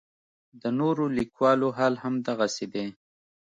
د نورو لیکوالو حال هم دغسې دی.